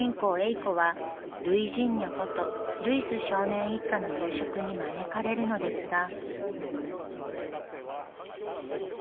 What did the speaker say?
いこはルイジンニョことルイス少年一家の夕食に招かれるのですが。